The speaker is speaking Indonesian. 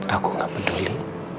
aku gak peduli